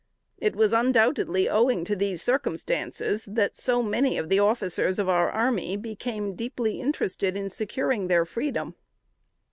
It was undoubtedly owing to these circumstances, that so many of the officers of our army became deeply interested in securing their freedom.